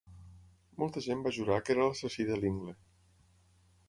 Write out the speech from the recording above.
Molta gent va jurar que era l'assassí de Lingle.